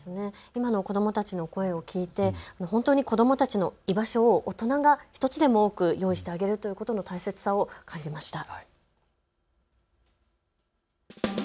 今の子どもたちの声を聴いて、本当に子どもたちの居場所を大人が１つでも多く用意してあげるということの大切さを感じました。